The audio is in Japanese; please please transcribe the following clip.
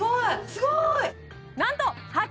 すごーい